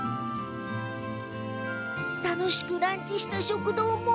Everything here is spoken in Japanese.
楽しくランチした食堂も。